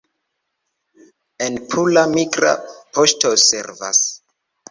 En Pula migra poŝto servas.